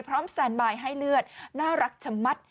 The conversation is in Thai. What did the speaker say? สแตนบายให้เลือดน่ารักชะมัด